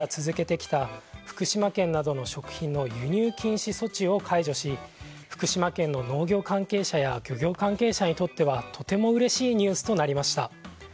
また、先月には台湾当局が原発事故のあとから続けてきた福島県などの食品の輸入禁止措置を解除し、福島県の農業関係者や漁業関係者にとっては、とてもうれしいニュースとなりました。